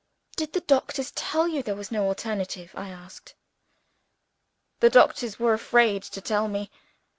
"Did the doctors tell you there was no alternative?" I asked. "The doctors were afraid to tell me.